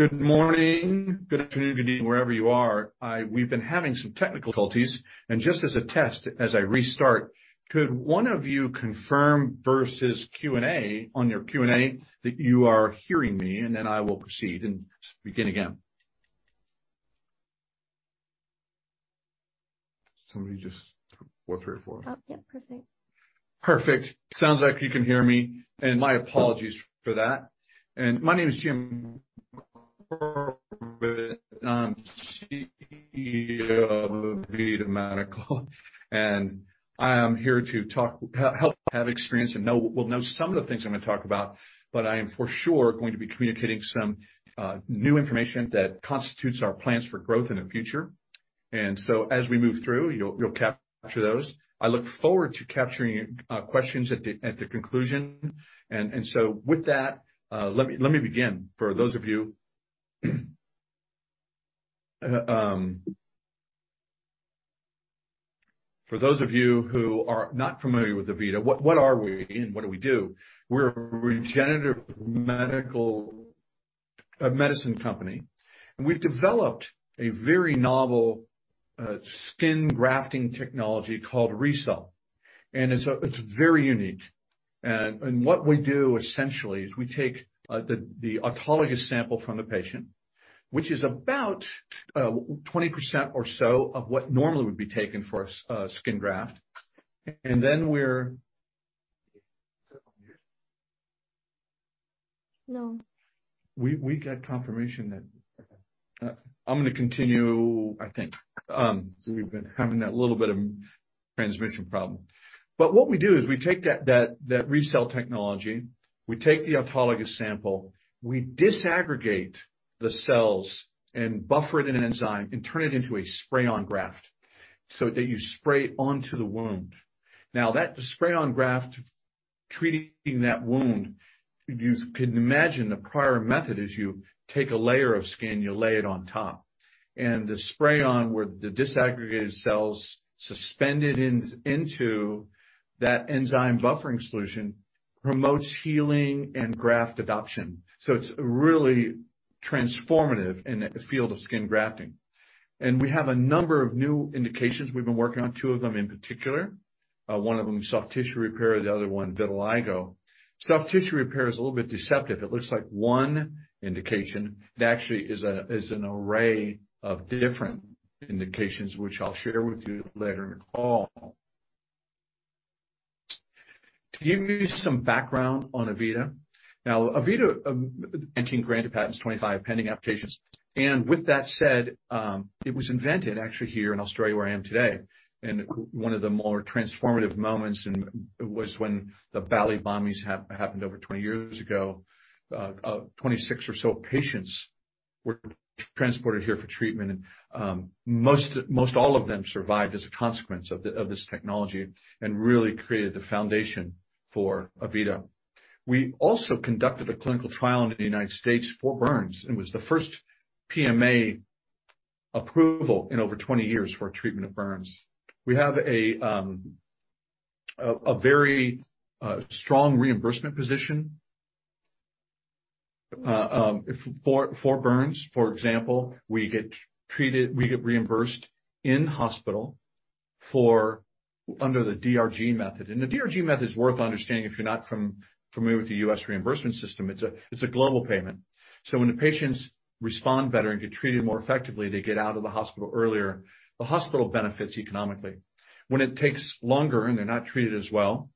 Good morning, good afternoon, good evening, wherever you are. We've been having some technical difficulties. Just as a test, as I restart, could one of you confirm on your Q&A that you are hearing me? Then I will proceed and begin again. Somebody just four through four. Oh, yep. Perfect. Perfect. Sounds like you can hear me and my apologies for that. My name is Jim Corbett, CEO of AVITA Medical, and I am here to talk, help have experience and will know some of the things I'm gonna talk about, but I am for sure going to be communicating some new information that constitutes our plans for growth in the future. As we move through, you'll capture those. I look forward to capturing questions at the conclusion. With that, let me begin. For those of you who are not familiar with AVITA, what are we and what do we do? We're a regenerative medicine company, and we've developed a very novel skin grafting technology called RECELL. It's very unique. What we do essentially is we take the autologous sample from the patient, which is about 20% or so of what normally would be taken for a skin graft. No. We got confirmation that, I'm gonna continue, I think. So we've been having that little bit of transmission problem. But what we do is we take that RECELL technology, we take the autologous sample, we disaggregate the cells and buffer it in enzyme and turn it into a spray-on graft so that you spray onto the wound. Now, that spray-on graft, treating that wound, you can imagine the prior method is you take a layer of skin, you lay it on top. And the spray on, where the disaggregated cells suspended in that enzyme buffering solution promotes healing and graft adoption. It's really transformative in the field of skin grafting. We have a number of new indications. We've been working on two of them in particular. One of them is soft tissue repair, the other one vitiligo. Soft tissue repair is a little bit deceptive. It looks like one indication. It actually is an array of different indications, which I'll share with you later in the call. To give you some background on AVITA. Now, AVITA, 18 granted patents, 25 pending applications. With that said, it was invented actually here in Australia where I am today. One of the more transformative moments was when the Bali bombings happened over 20 years ago. 26 or so patients were transported here for treatment, and most all of them survived as a consequence of this technology and really created the foundation for AVITA. We also conducted a clinical trial in the United States for burns. It was the first PMA approval in over 20 years for treatment of burns. We have a very strong reimbursement position. For burns, for example, we get reimbursed in hospital for under the DRG method. The DRG method is worth understanding if you're not familiar with the US reimbursement system. It's a global payment. When the patients respond better and get treated more effectively, they get out of the hospital earlier. The hospital benefits economically. When it takes longer and they're not treated as well,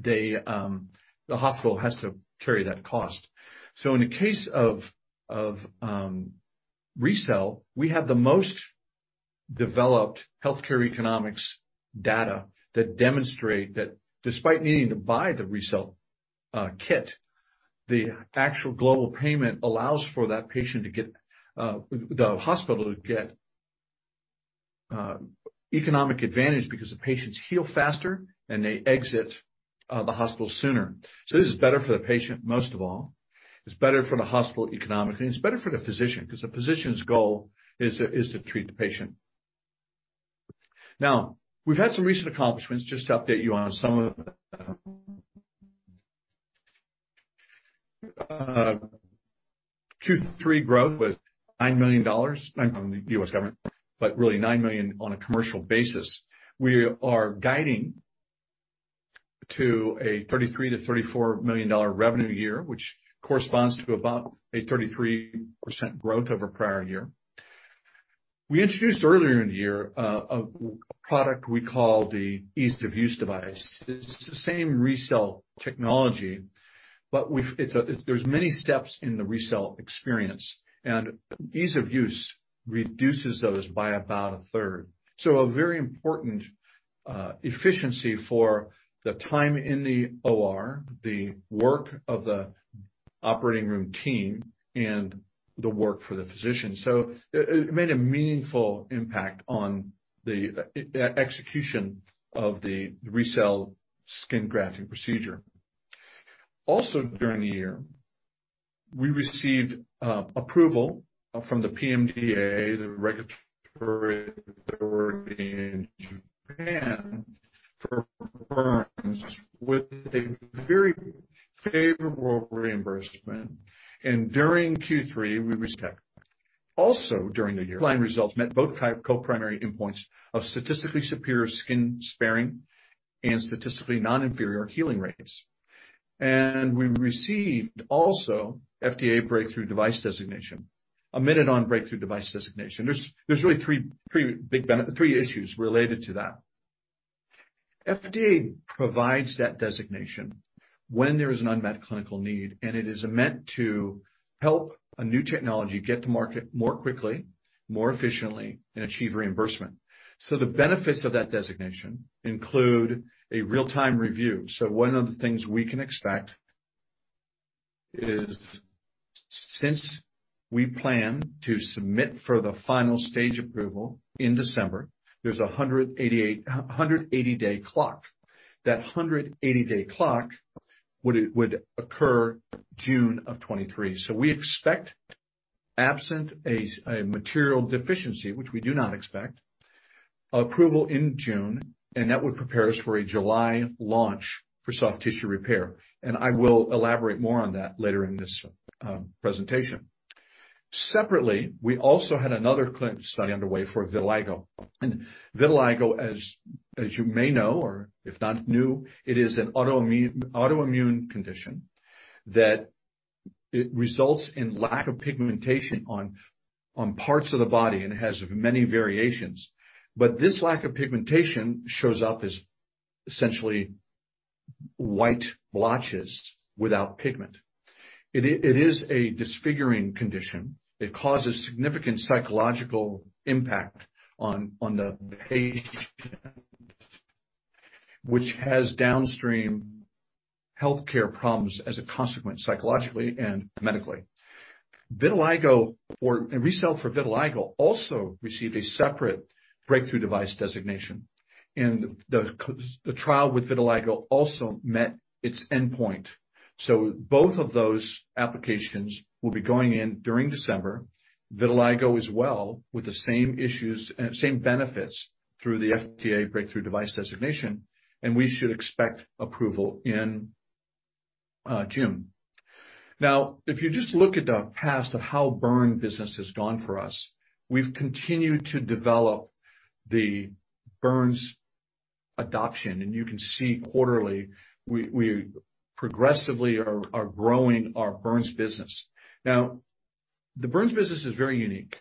they the hospital has to carry that cost. In the case of RECELL, we have the most developed healthcare economics data that demonstrate that despite needing to buy the RECELL kit, the actual global payment allows for that patient to get the hospital to get economic advantage because the patients heal faster and they exit the hospital sooner. This is better for the patient, most of all, it's better for the hospital economically, and it's better for the physician because the physician's goal is to treat the patient. We've had some recent accomplishments just to update you on some of them. Q3 growth was $9 million from the U.S. government, but really $9 million on a commercial basis. We are guiding to a $33 million-$34 million revenue year, which corresponds to about a 33% growth over prior year. We introduced earlier in the year, a product we call the ease-of-use device. It's the same RECELL technology, but there's many steps in the RECELL experience, and ease of use reduces those by about a third. A very important efficiency for the time in the OR, the work of the operating room team and the work for the physician. It made a meaningful impact on the execution of the RECELL skin grafting procedure. During the year, we received approval from the PMDA for it working in Japan for burns with a very favorable reimbursement. During Q3 we respect. During the year, line results met both co-primary endpoints of statistically superior skin sparing and statistically non-inferior healing rates. We received also FDA Breakthrough Device designation. Omitted on Breakthrough Device designation. There's really three big issues related to that. FDA provides that designation when there is an unmet clinical need. It is meant to help a new technology get to market more quickly, more efficiently, and achieve reimbursement. The benefits of that designation include a real-time review. One of the things we can expect is, since we plan to submit for the final stage approval in December, there's a 180 day clock. That 180 day clock would occur June of 2023. We expect absent a material deficiency, which we do not expect, approval in June. That would prepare us for a July launch for soft tissue repair. I will elaborate more on that later in this presentation. Separately, we also had another clinical study underway for vitiligo. Vitiligo as you may know, or if not new, it is an autoimmune condition that it results in lack of pigmentation on parts of the body and has many variations. This lack of pigmentation shows up as essentially white blotches without pigment. It is a disfiguring condition. It causes significant psychological impact on the patient, which has downstream healthcare problems as a consequence, psychologically and medically. RECELL for vitiligo also received a separate Breakthrough Device designation, and the trial with vitiligo also met its endpoint. Both of those applications will be going in during December. Vitiligo as well with the same issues, same benefits through the FDA Breakthrough Device designation, and we should expect approval in June. If you just look at the past of how burn business has gone for us, we've continued to develop the burns adoption. You can see quarterly, we progressively are growing our burns business. The burns business is very unique.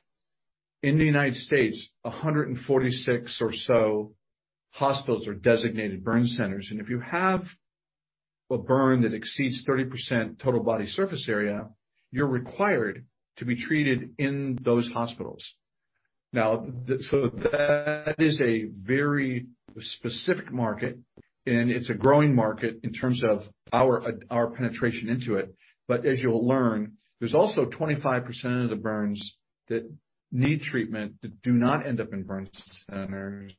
In the United States, 146 or so hospitals are designated burn centers. If you have a burn that exceeds 30% total body surface area, you're required to be treated in those hospitals. So that is a very specific market, and it's a growing market in terms of our penetration into it. As you'll learn, there's also 25% of the burns that need treatment that do not end up in burn centers,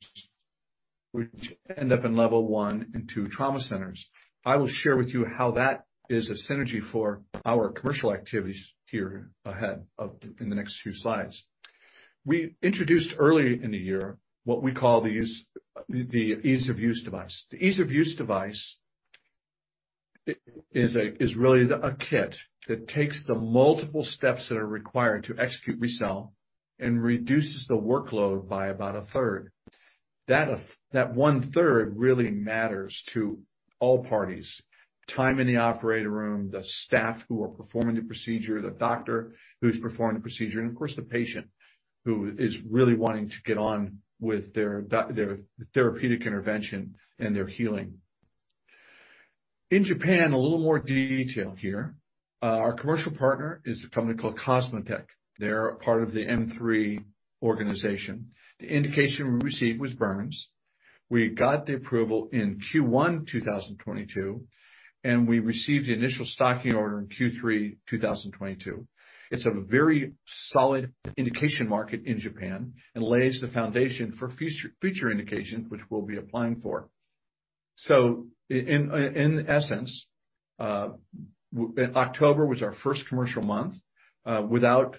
which end up in Level I and II Trauma Centers. I will share with you how that is a synergy for our commercial activities here ahead of, in the next few slides. We introduced early in the year what we call the ease of use device. The ease of use device is really a kit that takes the multiple steps that are required to execute RECELL and reduces the workload by about a third. That one-third really matters to all parties. Time in the operating room, the staff who are performing the procedure, the doctor who's performing the procedure, and of course, the patient who is really wanting to get on with their therapeutic intervention and their healing. In Japan, a little more detail here. Our commercial partner is a company called COSMOTEC. They're part of the M3 organization. The indication we received was burns. We got the approval in Q1, 2022, and we received the initial stocking order in Q3, 2022. It's a very solid indication market in Japan and lays the foundation for future indications, which we'll be applying for. In essence, in October was our first commercial month, without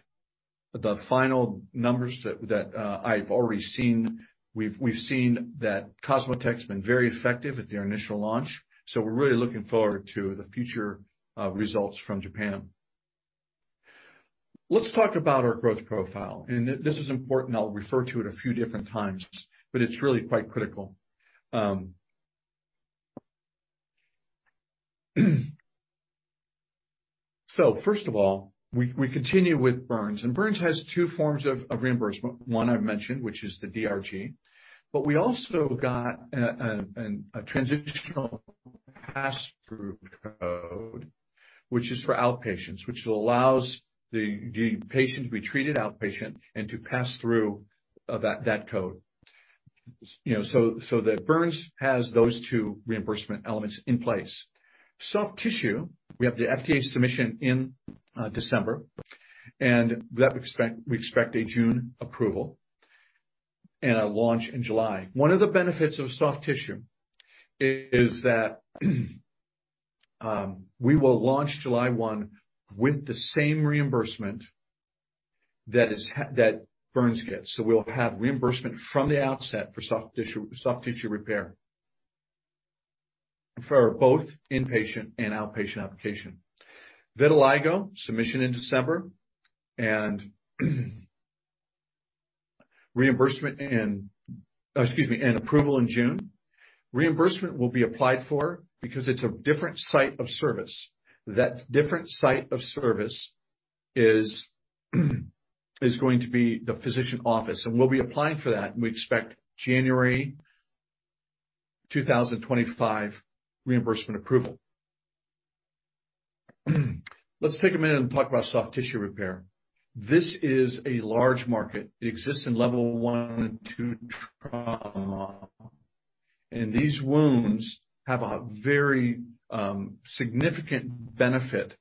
the final numbers that I've already seen. We've seen that COSMOTEC's been very effective at their initial launch. We're really looking forward to the future results from Japan. Let's talk about our growth profile, and this is important. I'll refer to it a few different times, but it's really quite critical. First of all, we continue with burns, and burns has two forms of reimbursement. One I've mentioned, which is the DRG. We also got a Transitional Pass-Through code, which is for outpatients, which allows the patients to be treated outpatient and to pass through that code. You know, so that burns has those two reimbursement elements in place. Soft tissue, we have the FDA submission in December, and that we expect a June approval and a launch in July. One of the benefits of soft tissue is that we will launch July 1 with the same reimbursement that burns gets. We'll have reimbursement from the outset for soft tissue, soft tissue repair for both inpatient and outpatient application. Vitiligo, submission in December and reimbursement, excuse me, and approval in June. Reimbursement will be applied for because it's a different site of service. That different site of service is going to be the physician office. We'll be applying for that. We expect January 2025 reimbursement approval. Let's take a minute and talk about soft tissue repair. This is a large market. It exists in Level I and II trauma, and these wounds have a very significant benefit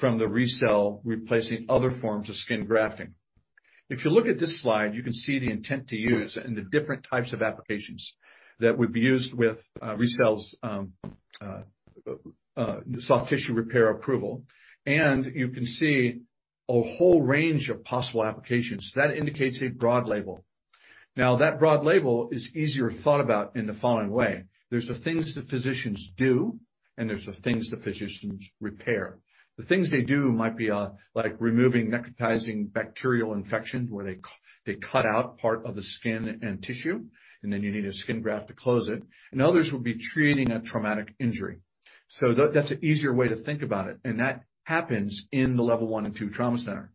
from the RECELL replacing other forms of skin grafting. If you look at this slide, you can see the intent to use and the different types of applications that would be used with RECELL's soft tissue repair approval. You can see a whole range of possible applications. That indicates a broad label. That broad label is easier thought about in the following way. There's the things that physicians do and there's the things that physicians repair. The things they do might be, like removing necrotizing bacterial infection, where they cut out part of the skin and tissue, and then you need a skin graft to close it, others would be treating a traumatic injury. That's an easier way to think about it, and that happens in the Level I and Level II Trauma Centers.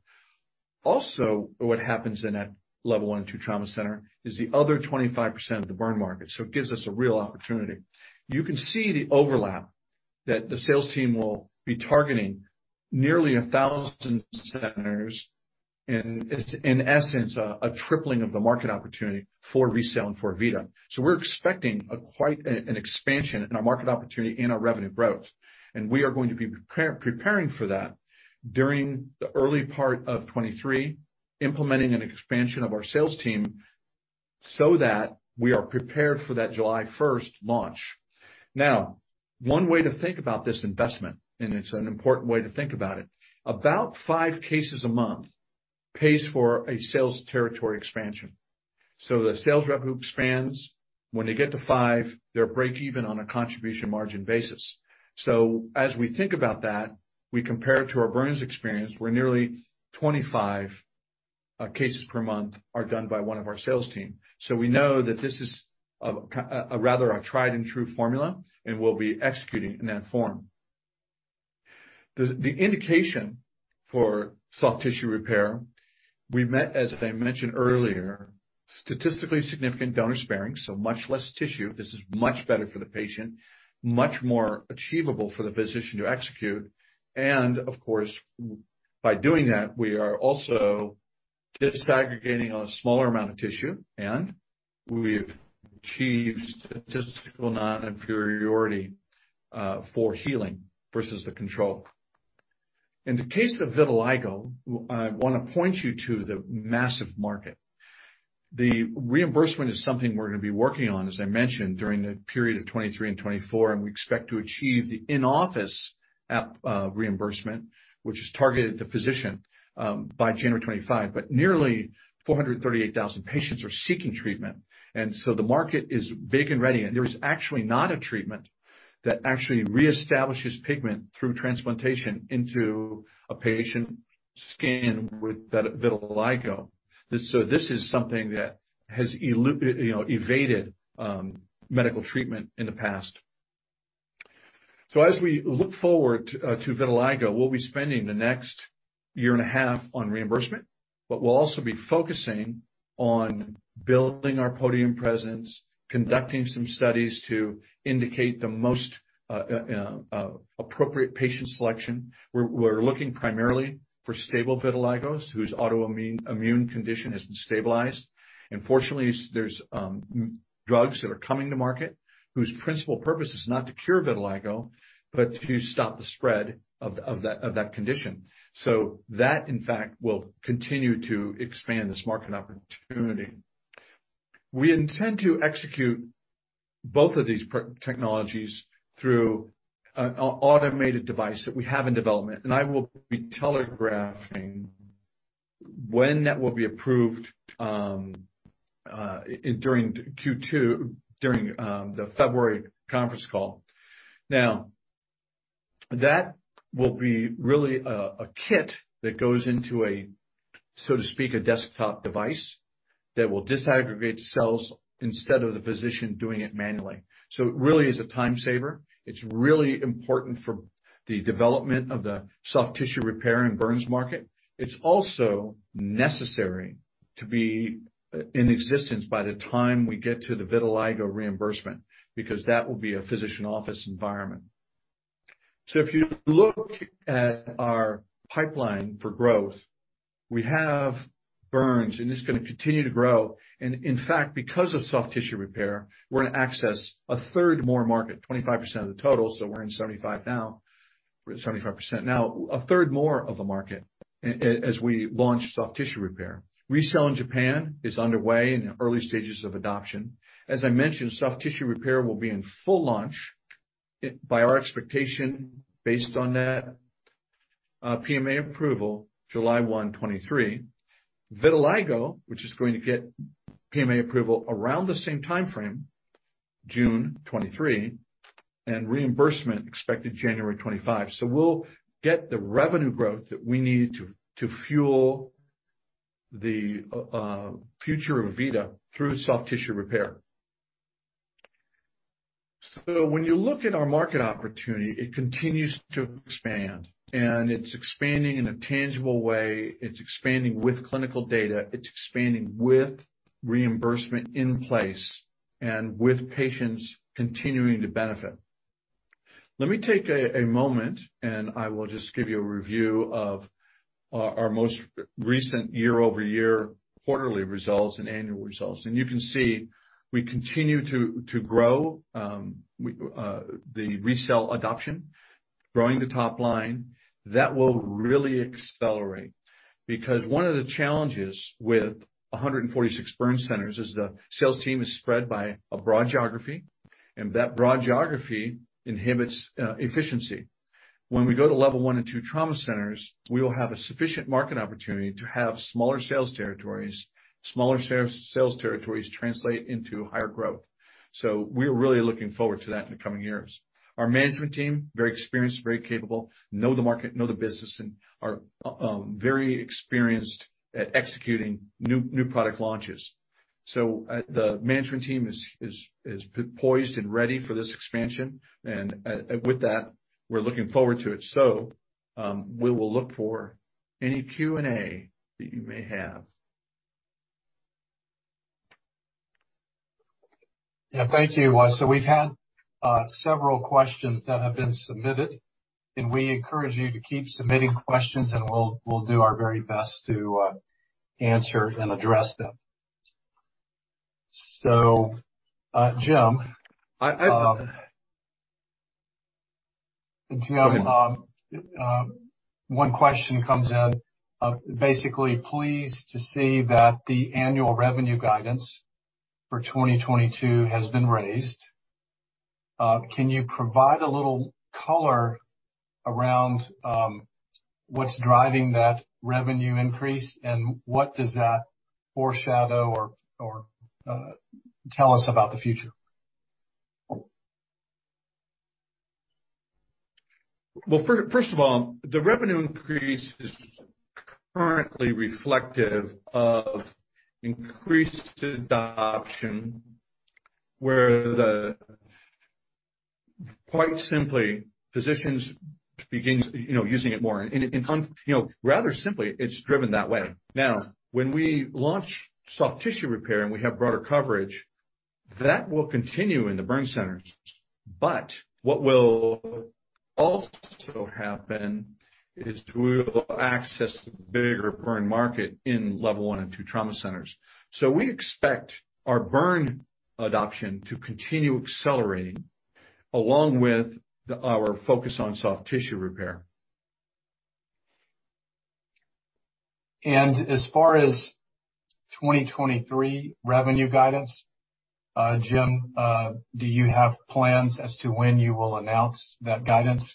What happens in that Level I and Level II Trauma Centers is the other 25% of the burn market, it gives us a real opportunity. You can see the overlap that the sales team will be targeting nearly 1,000 centers, it's in essence a tripling of the market opportunity for RECELL and for AVITA. We're expecting a quite, an expansion in our market opportunity and our revenue growth. We are going to be preparing for that during the early part of 2023, implementing an expansion of our sales team so that we are prepared for that July 1 launch. Now, one way to think about this investment, and it's an important way to think about it, about five cases a month pays for a sales territory expansion. The sales rep who expands, when they get to five, they're breakeven on a contribution margin basis. As we think about that, we compare it to our burns experience, where nearly 25 cases per month are done by one of our sales team. We know that this is a rather a tried and true formula, and we'll be executing in that form. The indication for soft-tissue repair, we met, as I mentioned earlier, statistically significant donor sparing, so much less tissue. This is much better for the patient, much more achievable for the physician to execute. Of course, by doing that, we are also disaggregating a smaller amount of tissue, and we've achieved statistical non-inferiority for healing versus the control. In the case of vitiligo, I wanna point you to the massive market. The reimbursement is something we're gonna be working on, as I mentioned, during the period of 2023 and 2024, and we expect to achieve the in-office reimbursement, which is targeted to physician by January 2025. Nearly 438,000 patients are seeking treatment. The market is big and ready, and there is actually not a treatment that actually reestablishes pigment through transplantation into a patient's skin with vitiligo. This is something that has you know, evaded medical treatment in the past. As we look forward to vitiligo, we'll be spending the next year and a half on reimbursement, but we'll also be focusing on building our podium presence, conducting some studies to indicate the most appropriate patient selection. We're looking primarily for stable vitiligos, whose autoimmune condition has been stabilized. Unfortunately, there's drugs that are coming to market whose principal purpose is not to cure vitiligo, but to stop the spread of that condition. That, in fact, will continue to expand this market opportunity. We intend to execute both of these technologies through a automated device that we have in development, and I will be telegraphing when that will be approved during the February conference call. That will be really a kit that goes into a, so to speak, a desktop device that will disaggregate cells instead of the physician doing it manually. It really is a time saver. It's really important for the development of the soft tissue repair and burns market. It's also necessary to be in existence by the time we get to the vitiligo reimbursement, because that will be a physician office environment. If you look at our pipeline for growth, we have burns, and it's gonna continue to grow. In fact, because of soft-tissue repair, we're gonna access a third more market, 25% of the total, so we're in 75% now. A third more of the market as we launch soft tissue repair. RECELL in Japan is underway in the early stages of adoption. As I mentioned, soft tissue repair will be in full launch by our expectation based on that, PMA approval July 1, 2023. Vitiligo, which is going to get PMA approval around the same timeframe, June 2023, and reimbursement expected January 2025. We'll get the revenue growth that we need to fuel the future of AVITA through soft tissue repair. When you look at our market opportunity, it continues to expand, and it's expanding in a tangible way. It's expanding with clinical data. It's expanding with reimbursement in place and with patients continuing to benefit. Let me take a moment, and I will just give you a review of our most recent year-over-year quarterly results and annual results. You can see we continue to grow, the RECELL adoption, growing the top line. That will really accelerate because one of the challenges with 146 burn centers is the sales team is spread by a broad geography, that broad geography inhibits efficiency. When we go to Level I and Level II Trauma Centers, we will have a sufficient market opportunity to have smaller sales territories. Smaller sales territories translate into higher growth. We're really looking forward to that in the coming years. Our management team, very experienced, very capable, know the market, know the business, are very experienced at executing new product launches. The management team is poised and ready for this expansion. With that, we're looking forward to it. We will look for any Q&A that you may have. Yeah. Thank you. We've had several questions that have been submitted, and we encourage you to keep submitting questions, and we'll do our very best to answer and address them, Jim. I,- Jim, one question comes in. Basically, pleased to see that the annual revenue guidance for 2022 has been raised. Can you provide a little color around what's driving that revenue increase, and what does that foreshadow or tell us about the future? well, first of all, the revenue increase is currently reflective of increased adoption, where quite simply, physicians begin, you know, using it more. You know, rather simply, it's driven that way. When we launch soft tissue repair and we have broader coverage, that will continue in the burn centers. What will also happen is we'll access the bigger burn market in Level I and Level II Trauma Centers. We expect our burn adoption to continue accelerating along with our focus on soft tissue repair. As far as 2023 revenue guidance, Jim, do you have plans as to when you will announce that guidance?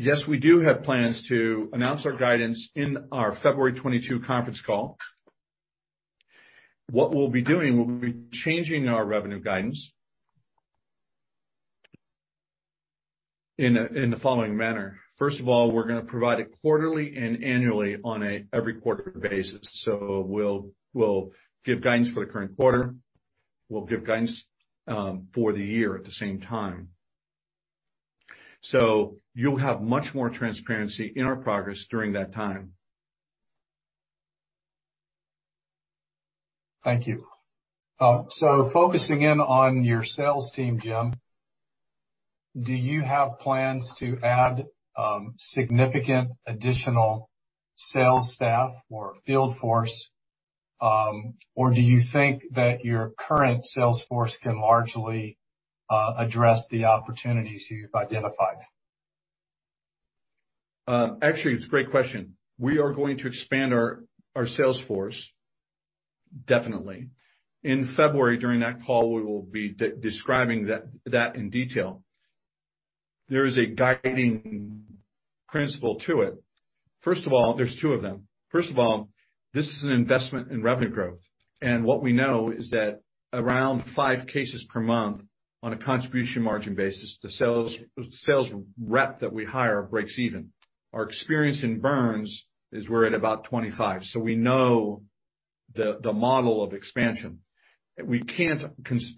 Yes, we do have plans to announce our guidance in our February 22 conference call. What we'll be doing, we'll be changing our revenue guidance in the following manner. First of all, we're gonna provide it quarterly and annually on a every quarter basis. We'll give guidance for the current quarter. We'll give guidance for the year at the same time. You'll have much more transparency in our progress during that time. Thank you. Focusing in on your sales team, Jim, do you have plans to add significant additional sales staff or field force? Or do you think that your current sales force can largely address the opportunities you've identified? Actually, it's a great question. We are going to expand our sales force, definitely. In February, during that call, we will be describing that in detail. There is a guiding principle to it. There's two of them. First of all, this is an investment in revenue growth. What we know is that around five cases per month on a contribution margin basis, the sales rep that we hire breaks even. Our experience in burns is we're at about 25. We know the model of expansion. Even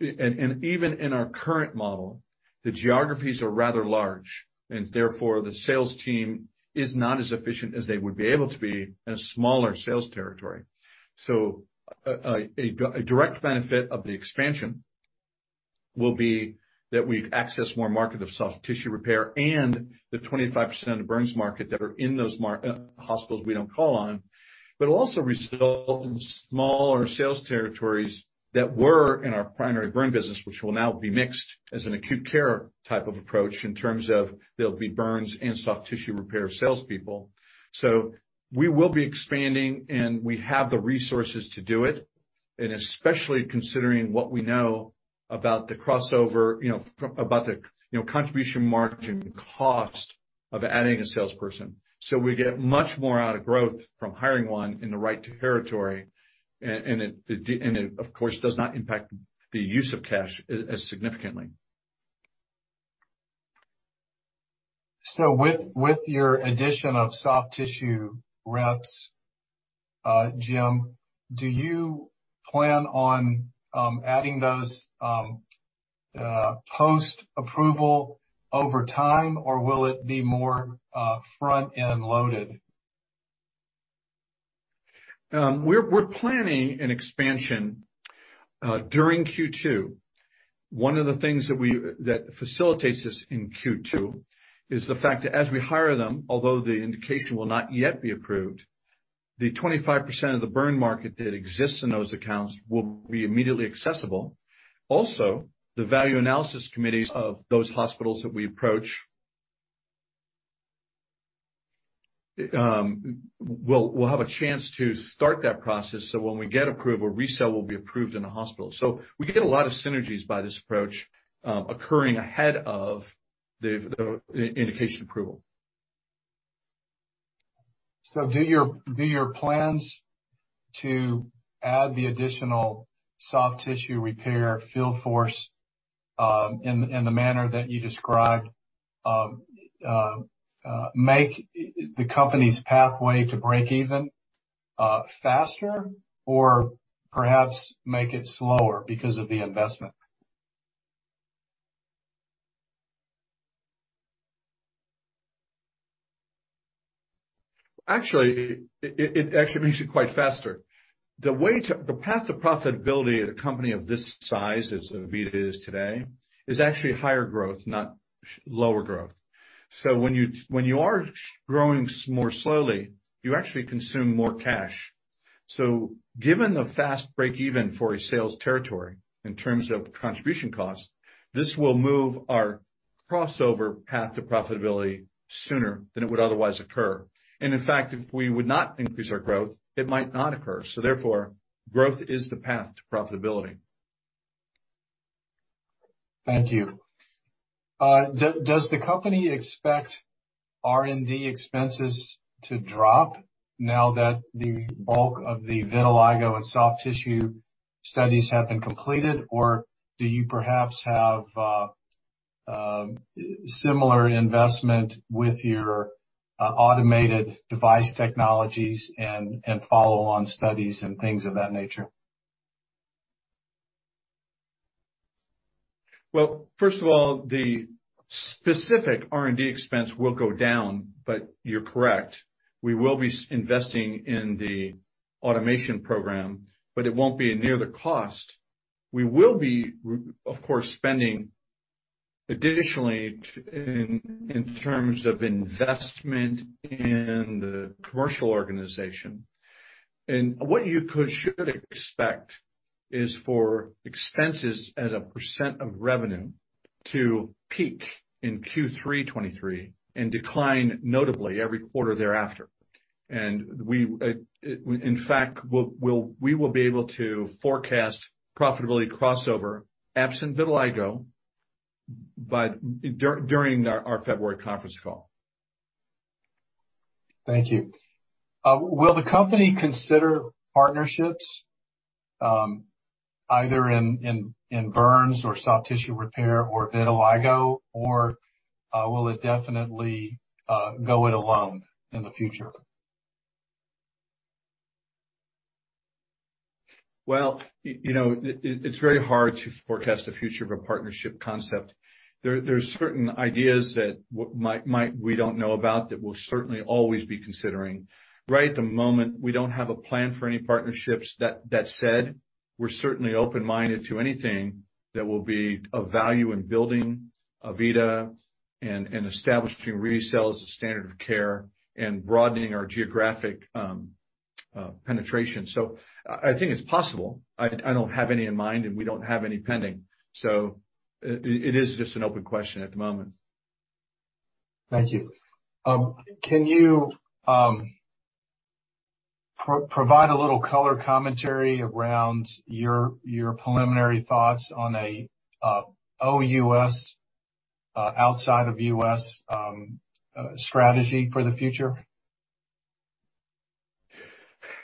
in our current model, the geographies are rather large, and therefore, the sales team is not as efficient as they would be able to be in a smaller sales territory. A direct benefit of the expansion will be that we access more market of soft tissue repair and the 25% of the burns market that are in those hospitals we don't call on. Also result in smaller sales territories that were in our primary burn business, which will now be mixed as an acute care type of approach in terms of there'll be burns and soft tissue repair salespeople. We will be expanding, and we have the resources to do it, and especially considering what we know about the crossover, you know, about the, you know, contribution margin cost of adding a salesperson. We get much more out of growth from hiring one in the right territory, and it, of course, does not impact the use of cash as significantly. With your addition of soft tissue reps, Jim, do you plan on adding those post-approval over time, or will it be more front-end loaded? We're planning an expansion during Q2. One of the things that facilitates this in Q2 is the fact that as we hire them, although the indication will not yet be approved, the 25% of the burn market that exists in those accounts will be immediately accessible. The Value Analysis Committees of those hospitals that we approach will have a chance to start that process, so when we get approval, RECELL will be approved in a hospital. We get a lot of synergies by this approach occurring ahead of the indication approval. Do your plans to add the additional soft tissue repair field force, in the manner that you described, make the company's pathway to break even faster or perhaps make it slower because of the investment? Actually, it actually makes it quite faster. The path to profitability at a company of this size as AVITA is today, is actually higher growth, not lower growth. When you are growing more slowly, you actually consume more cash. Given the fast break-even for a sales territory in terms of contribution cost, this will move our crossover path to profitability sooner than it would otherwise occur. In fact, if we would not increase our growth, it might not occur. Therefore, growth is the path to profitability. Thank you. Does the company expect R&D expenses to drop now that the bulk of the vitiligo and soft tissue studies have been completed? Do you perhaps have similar investment with your automated device technologies and follow-on studies and things of that nature? First of all, the specific R&D expense will go down, but you're correct. We will be investing in the automation program, but it won't be near the cost. We will be of course, spending additionally in terms of investment in the commercial organization. What you should expect is for expenses as a % of revenue to peak in Q3 2023 and decline notably every quarter thereafter. We, in fact, we will be able to forecast profitability crossover absent vitiligo by during our February conference call. Thank you. Will the company consider partnerships, either in burns or soft tissue repair or vitiligo, or, will it definitely, go it alone in the future? Well, you know, it's very hard to forecast the future of a partnership concept. There's certain ideas that we don't know about that we'll certainly always be considering. Right at the moment, we don't have a plan for any partnerships. That said, we're certainly open-minded to anything that will be of value in building AVITA and establishing RECELL as a standard of care and broadening our geographic penetration. I think it's possible. I don't have any in mind, and we don't have any pending. It is just an open question at the moment. Thank you. Can you provide a little color commentary around your preliminary thoughts on a OUS, outside of US, strategy for the future?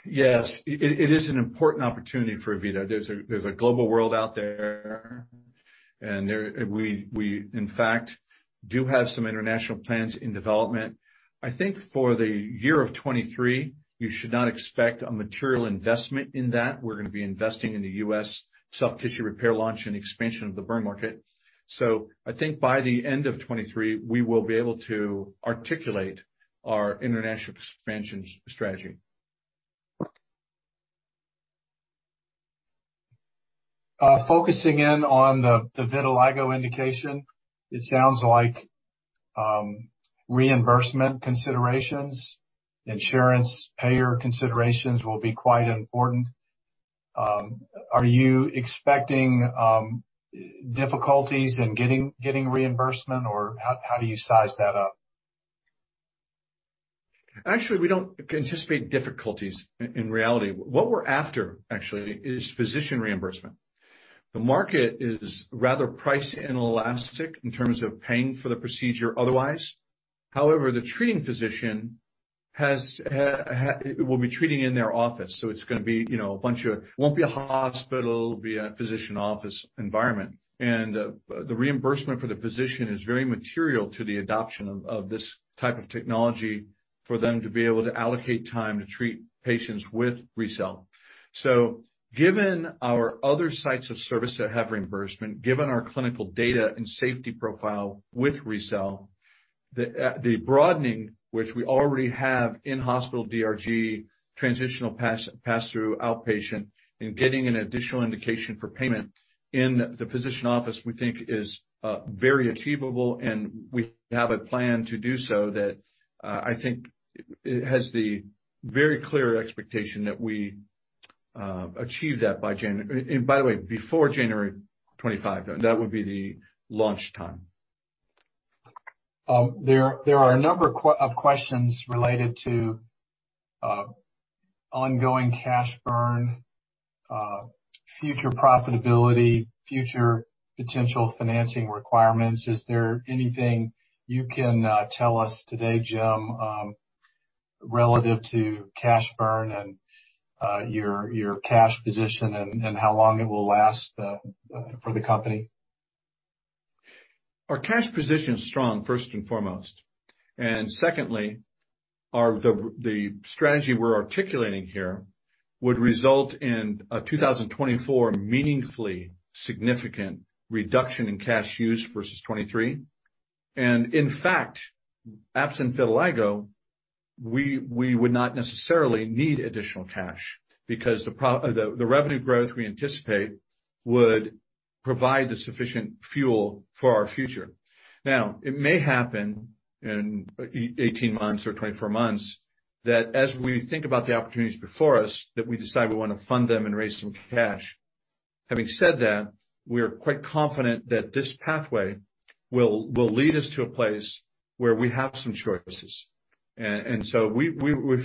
Yes. It is an important opportunity for AVITA. There's a global world out there, and we, in fact, do have some international plans in development. I think for the year of 2023, you should not expect a material investment in that. We're gonna be investing in the US soft tissue repair launch and expansion of the burn market. I think by the end of 2023, we will be able to articulate our international expansion strategy. Focusing in on the vitiligo indication, it sounds like, reimbursement considerations, insurance payer considerations will be quite important. Are you expecting difficulties in getting reimbursement, or how do you size that up? Actually, we don't anticipate difficulties in reality. What we're after actually is physician reimbursement. The market is rather price inelastic in terms of paying for the procedure otherwise. However, the treating physician will be treating in their office. It's gonna be, you know, It won't be a hospital, it'll be a physician office environment. The reimbursement for the physician is very material to the adoption of this type of technology for them to be able to allocate time to treat patients with RECELL. Given our other sites of service that have reimbursement, given our clinical data and safety profile with RECELL, the broadening which we already have in hospital DRG, Transitional Pass-Through outpatient, and getting an additional indication for payment in the physician office, we think is very achievable, and we have a plan to do so that I think has the very clear expectation that we achieve that before January 2025. That would be the launch time. There are a number of questions related to ongoing cash burn, future profitability, future potential financing requirements. Is there anything you can tell us today, Jim, relative to cash burn and your cash position and how long it will last for the company? Our cash position is strong, first and foremost. Secondly, the strategy we're articulating here would result in a 2024 meaningfully significant reduction in cash use versus 2023. In fact, absent vitiligo, we would not necessarily need additional cash because the revenue growth we anticipate would provide the sufficient fuel for our future. Now, it may happen in 18 months or 24 months that as we think about the opportunities before us, that we decide we wanna fund them and raise some cash. Having said that, we are quite confident that this pathway will lead us to a place where we have some choices. So we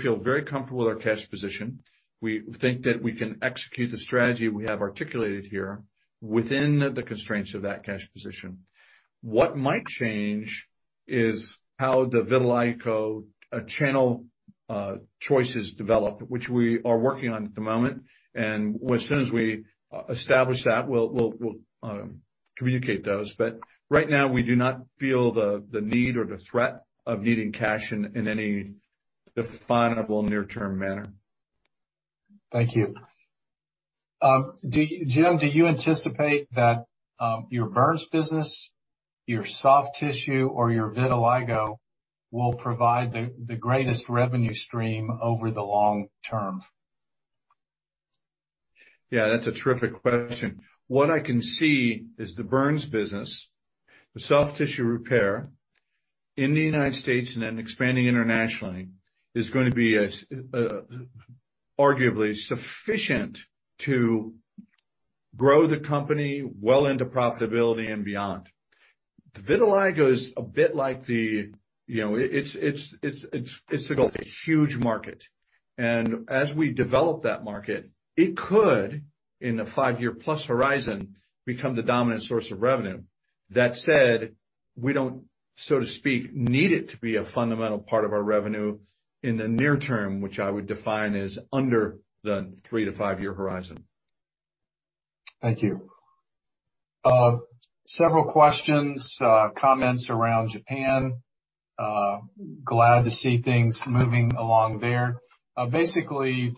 feel very comfortable with our cash position. We think that we can execute the strategy we have articulated here within the constraints of that cash position. What might change is how the vitiligo channel choices develop, which we are working on at the moment. As soon as we establish that, we'll communicate those. Right now, we do not feel the need or the threat of needing cash in any definable near-term manner. Thank you. Jim, do you anticipate that your burns business, your soft tissue, or your vitiligo will provide the greatest revenue stream over the long term? Yeah, that's a terrific question. What I can see is the burns business, the soft tissue repair in the United States and then expanding internationally, is going to be arguably sufficient to grow the company well into profitability and beyond. The vitiligo is a bit like the, you know, it's a huge market. As we develop that market, it could, in a 5-year+ horizon, become the dominant source of revenue. That said, we don't, so to speak, need it to be a fundamental part of our revenue in the near term, which I would define as under the 3-5-year horizon. Thank you. several questions, comments around Japan. glad to see things moving along there. basically,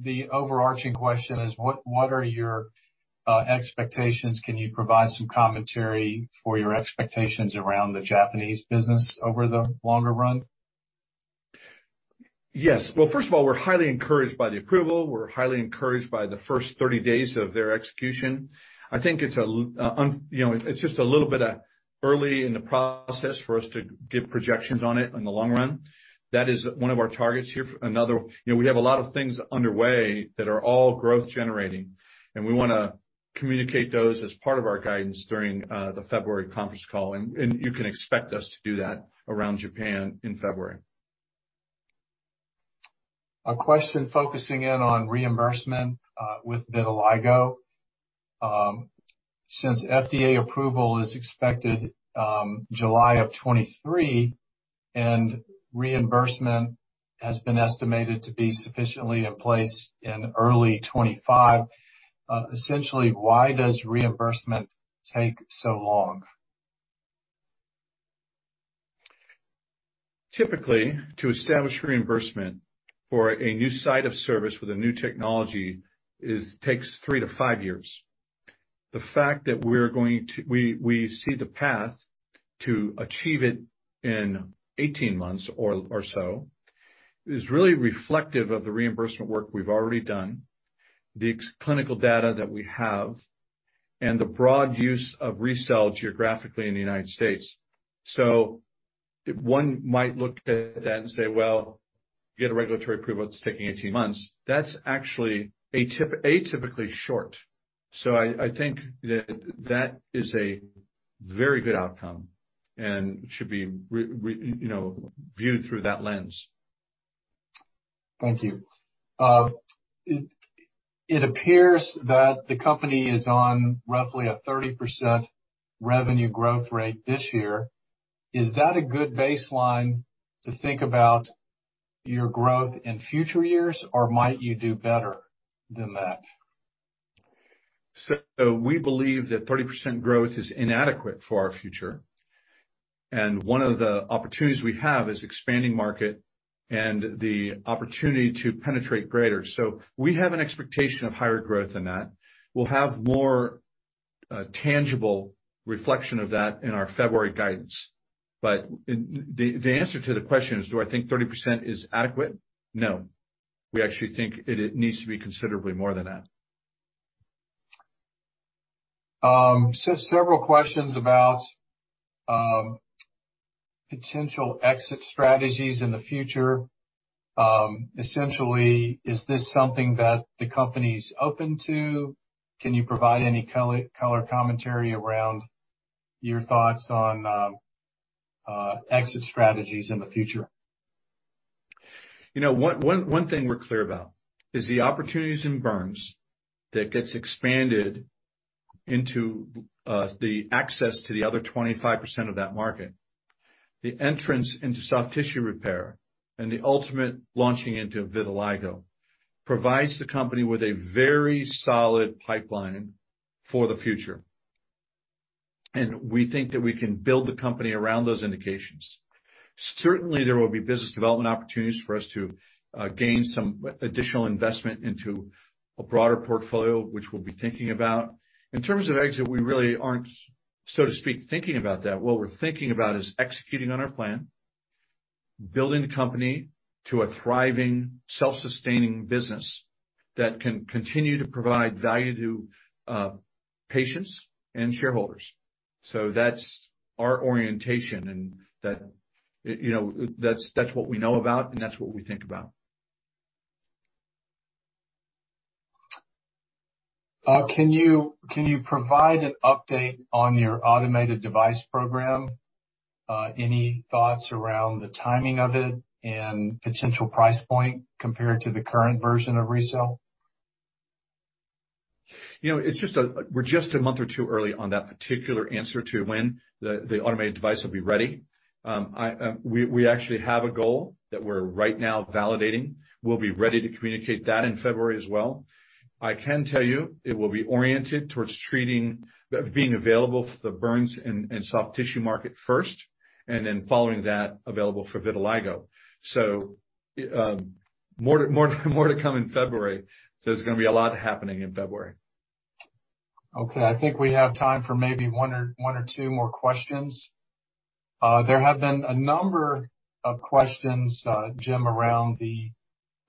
the overarching question is: what are your expectations? Can you provide some commentary for your expectations around the Japanese business over the longer run? Yes. Well, first of all, we're highly encouraged by the approval. We're highly encouraged by the first 30 days of their execution. You know, it's just a little bit early in the process for us to give projections on it in the long run. That is one of our targets here. Another, you know, we have a lot of things underway that are all growth generating, and we wanna communicate those as part of our guidance during the February conference call. You can expect us to do that around Japan in February. A question focusing in on reimbursement, with vitiligo. Since FDA approval is expected, July of 2023 and reimbursement has been estimated to be sufficiently in place in early 2025, essentially, why does reimbursement take so long? Typically, to establish reimbursement for a new site of service with a new technology takes three to five years. The fact that we see the path to achieve it in 18 months or so is really reflective of the reimbursement work we've already done, the clinical data that we have, and the broad use of RECELL geographically in the United States. One might look at that and say, "Well, get a regulatory approval that's taking 18 months." That's actually atypically short. I think that that is a very good outcome and should be you know, viewed through that lens. Thank you. It appears that the company is on roughly a 30% revenue growth rate this year. Is that a good baseline to think about your growth in future years, or might you do better than that? We believe that 30% growth is inadequate for our future, and one of the opportunities we have is expanding market and the opportunity to penetrate greater. We have an expectation of higher growth than that. We'll have more tangible reflection of that in our February guidance. The answer to the question is, do I think 30% is adequate? No. We actually think it needs to be considerably more than that. Several questions about potential exit strategies in the future. Essentially, is this something that the company's open to? Can you provide any color commentary around your thoughts on exit strategies in the future? You know, one thing we're clear about is the opportunities in burns that gets expanded into the access to the other 25% of that market. The entrance into soft tissue repair and the ultimate launching into vitiligo provides the company with a very solid pipeline for the future. We think that we can build the company around those indications. Certainly, there will be business development opportunities for us to gain some additional investment into a broader portfolio, which we'll be thinking about. In terms of exit, we really aren't, so to speak, thinking about that. What we're thinking about is executing on our plan, building the company to a thriving, self-sustaining business that can continue to provide value to patients and shareholders. That's our orientation and that, you know, that's what we know about, and that's what we think about. Can you provide an update on your automated device program? Any thoughts around the timing of it and potential price point compared to the current version of RECELL? You know, it's just we're just a month or two early on that particular answer to when the automated device will be ready. We actually have a goal that we're right now validating. We'll be ready to communicate that in February as well. I can tell you it will be oriented towards being available for the burns and soft tissue market first, and then following that, available for vitiligo. More to come in February. There's going to be a lot happening in February. Okay. I think we have time for maybe one or two more questions. There have been a number of questions, Jim, around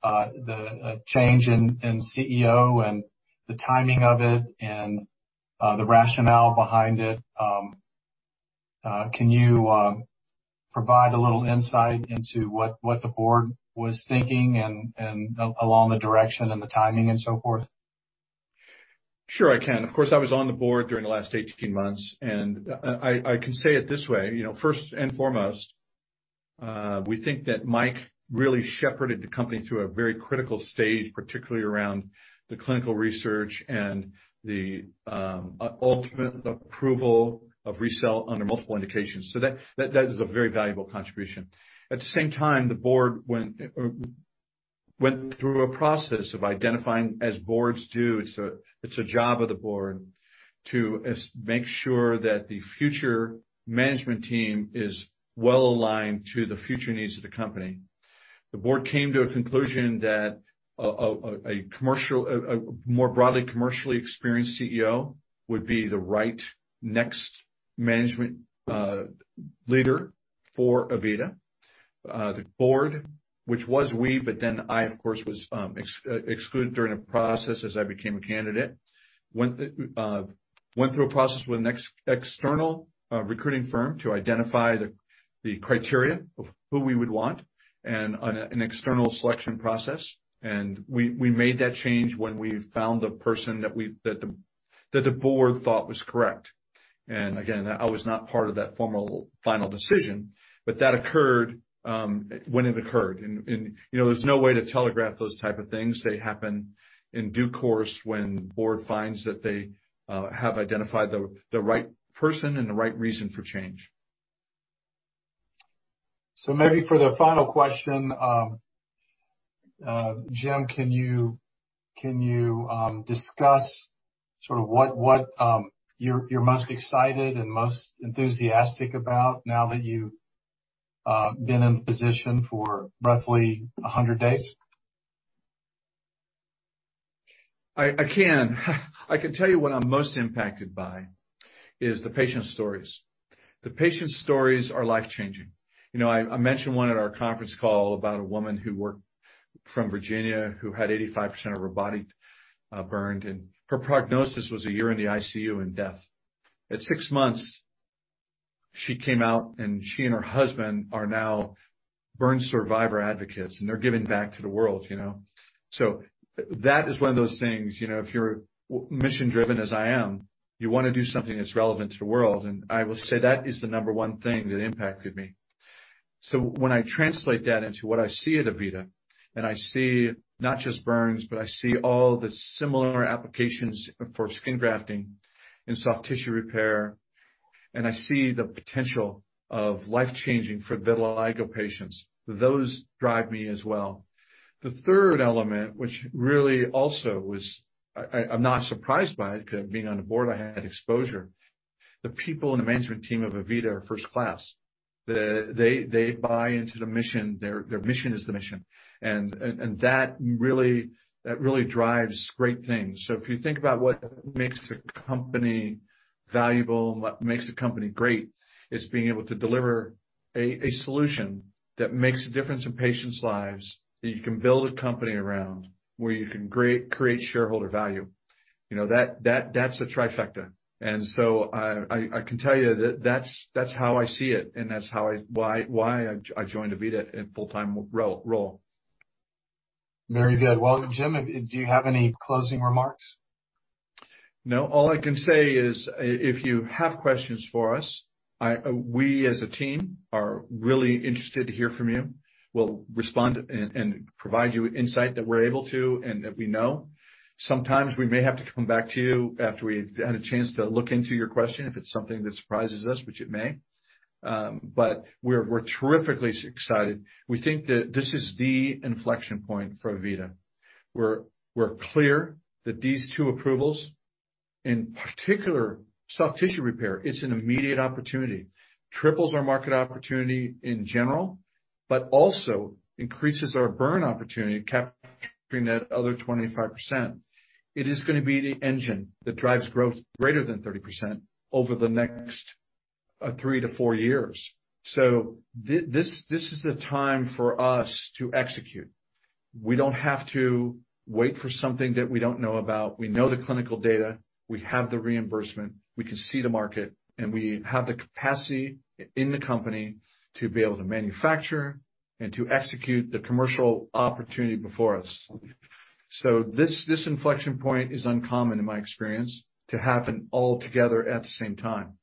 the change in CEO and the timing of it and the rationale behind it. Can you provide a little insight into what the board was thinking and along the direction and the timing and so forth? Sure I can. Of course, I was on the board during the last 18 months, and I can say it this way. You know, first and foremost, we think that Mike really shepherded the company through a very critical stage, particularly around the clinical research and the ultimate approval of RECELL under multiple indications. That is a very valuable contribution. At the same time, the board went through a process of identifying, as boards do, it's a, it's a job of the board, to make sure that the future management team is well aligned to the future needs of the company. The board came to a conclusion that a more broadly commercially experienced CEO would be the right next management leader for AVITA. The board, which was we, I of course was excluded during the process as I became a candidate, went through a process with an external recruiting firm to identify the criteria of who we would want and an external selection process. We made that change when we found the person that the board thought was correct. Again, I was not part of that formal final decision, but that occurred when it occurred. You know, there's no way to telegraph those type of things. They happen in due course when the board finds that they have identified the right person and the right reason for change. Maybe for the final question, Jim, can you discuss sort of what you're most excited and most enthusiastic about now that you've been in position for roughly 100 days? I can tell you what I'm most impacted by is the patient stories. The patient stories are life-changing. You know, I mentioned one at our conference call about a woman who worked from Virginia who had 85% of her body burned, and her prognosis was 1 year in the ICU and death. At 6 months, she came out, she and her husband are now burn survivor advocates, and they're giving back to the world, you know? That is one of those things, you know, if you're mission driven as I am, you wanna do something that's relevant to the world. I will say that is the number 1 thing that impacted me. When I translate that into what I see at AVITA, and I see not just burns, but I see all the similar applications for skin grafting and soft tissue repair, and I see the potential of life-changing for vitiligo patients, those drive me as well. The third element, which really also I'm not surprised by it 'cause being on the board, I had exposure. The people in the management team of AVITA are first class. They buy into the mission. Their mission is the mission. That really drives great things. If you think about what makes a company valuable and what makes a company great, it's being able to deliver a solution that makes a difference in patients' lives, that you can build a company around, where you can create shareholder value. You know, that's a trifecta. I can tell you that's how I see it, and that's how why I joined AVITA in full-time role. Very good. Well, Jim, do you have any closing remarks? All I can say is if you have questions for us, we as a team are really interested to hear from you. We'll respond and provide you insight that we're able to and that we know. Sometimes we may have to come back to you after we've had a chance to look into your question if it's something that surprises us, which it may. We're terrifically excited. We think that this is the inflection point for AVITA. We're clear that these two approvals, in particular soft tissue repair, it's an immediate opportunity. Triples our market opportunity in general, also increases our burn opportunity, capturing that other 25%. It is gonna be the engine that drives growth greater than 30% over the next 3 to 4 years. This is the time for us to execute. We don't have to wait for something that we don't know about. We know the clinical data, we have the reimbursement, we can see the market, and we have the capacity in the company to be able to manufacture and to execute the commercial opportunity before us. This inflection point is uncommon in my experience to happen all together at the same time.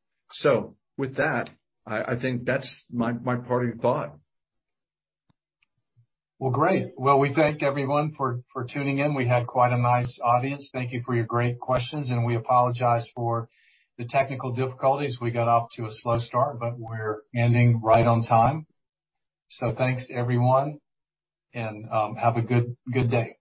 With that, I think that's my parting thought. Great. We thank everyone for tuning in. We had quite a nice audience. Thank you for your great questions, and we apologize for the technical difficulties. We got off to a slow start, but we're ending right on time. Thanks to everyone and have a good day.